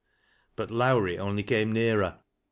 But Lowrie only came nearer.